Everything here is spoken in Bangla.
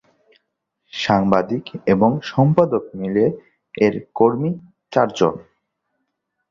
সাংবাদিক এবং সম্পাদক মিলে এর কর্মী চারজন।